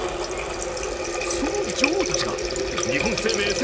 その女王たちが日本生命セ